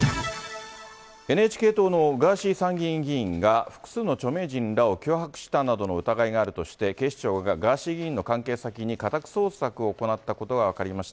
ＮＨＫ党のガーシー参議院議員が複数の著名人らを脅迫したなどの疑いがあるとして、警視庁がガーシー議員の関係先に家宅捜索を行ったことが分かりました。